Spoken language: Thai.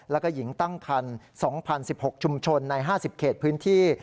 แล้วก็หญิงตั้งคัน๒๐๑๖ชุมชนใน๕๐เขตพื้นที่